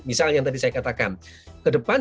misal yang tadi saya katakan ke depan